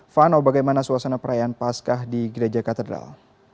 vano bagaimana suasana perayaan pascah di gereja katedral